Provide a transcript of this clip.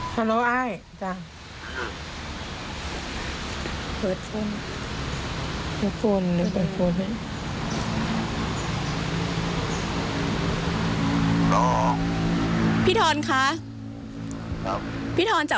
สวัสดีครับ